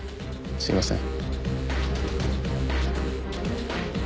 すいません。